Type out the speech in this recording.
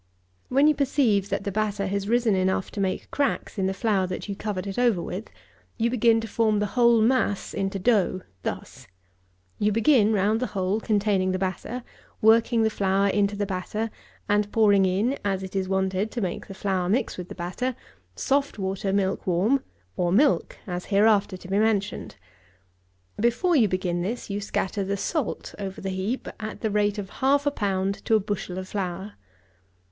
When you perceive that the batter has risen enough to make cracks in the flour that you covered it over with, you begin to form the whole mass into dough, thus: you begin round the hole containing the batter, working the flour into the batter, and pouring in, as it is wanted to make the flour mix with the batter, soft water milk warm, or milk, as hereafter to be mentioned. Before you begin this, you scatter the salt over the heap at the rate of half a pound to a bushel of flour.